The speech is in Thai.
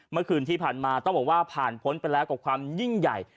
เมื่อคืนที่ผ่านมาต้องบอกว่าผ่านพ้นไปแล้วกับความยิ่งใหญ่